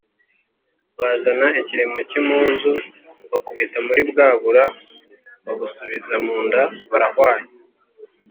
Bazana ikiremo cy'impuzu, bakubita muri bwa bura babusubiza mu nda barahwanya